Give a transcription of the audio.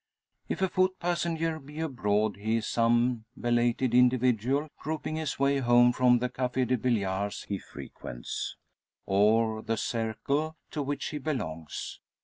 If a foot passenger be abroad he is some belated individual groping his way home from the Cafe de billars he frequents, or the Cercle to which he belongs.